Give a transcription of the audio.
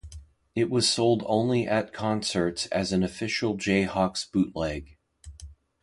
It was sold only at concerts as an Official Jayhawks Bootleg.